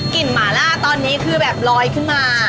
หมาล่าตอนนี้คือแบบลอยขึ้นมา